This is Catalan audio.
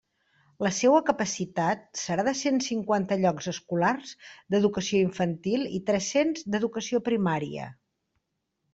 La seua capacitat serà de cent cinquanta llocs escolars d'Educació Infantil i tres-cents d'Educació Primària.